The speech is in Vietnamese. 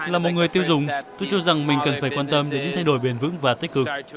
là một người tiêu dùng tôi cho rằng mình cần phải quan tâm đến những thay đổi bền vững và tích cực